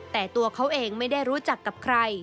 แต่ตัวเขาเองไม่ได้รู้จักกับใคร